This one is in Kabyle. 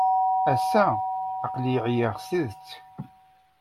Ass-a, aql-iyi ɛyiɣ s tidet.